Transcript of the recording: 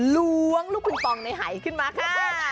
ล้วงลูกคุณตองในไห่ขึ้นมาค่ะ